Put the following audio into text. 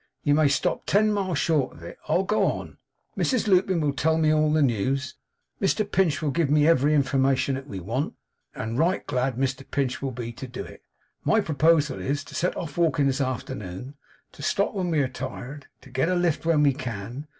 You may stop ten mile short of it. I'll go on. Mrs Lupin will tell me all the news. Mr Pinch will give me every information that we want; and right glad Mr Pinch will be to do it. My proposal is: To set off walking this afternoon. To stop when we are tired. To get a lift when we can.